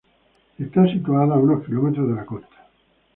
Tiene de y está situada a unos de la costa.